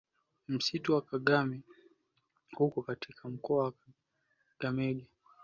Msitu wa Kakamega huko katika mkoa wa Kakamega